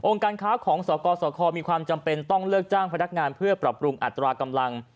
การค้าของสกสคมีความจำเป็นต้องเลิกจ้างพนักงานเพื่อปรับปรุงอัตรากำลัง